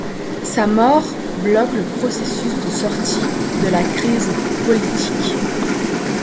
Sa mort bloque le processus de sortie de la crise politique.